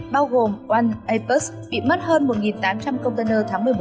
bao gồm one apus bị mất hơn một tám trăm linh container tháng một mươi một năm hai nghìn hai mươi